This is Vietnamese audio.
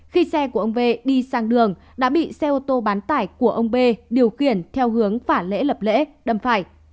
khi xe của ông v đi sang đường đã bị xe ô tô bán tải của ông b điều khiển theo hướng phả lễ lập lễ đâm phải